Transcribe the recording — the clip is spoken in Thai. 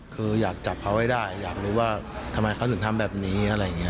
คืออยากจับเขาให้ได้อยากรู้ว่าทำไมเขาถึงทำแบบนี้อะไรอย่างนี้